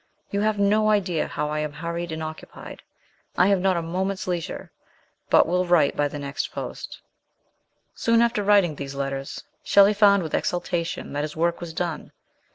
You have no idea how I am hurried and occupied. I have not a moment's leisure, but will write by the next post/' Soon atter writing these letters, Shelley found with exultation that his work was done.